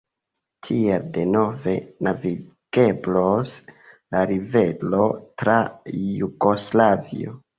Tiel denove navigeblos la rivero tra Jugoslavio.